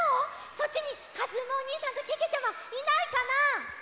そっちにかずむおにいさんとけけちゃまいないかな？